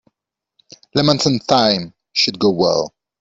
Lemons and thyme should go well.